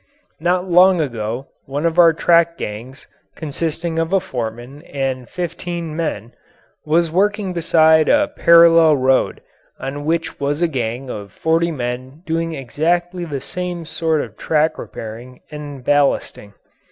Not long ago one of our track gangs, consisting of a foreman and 15 men, was working beside a parallel road on which was a gang of 40 men doing exactly the same sort of track repairing and ballasting.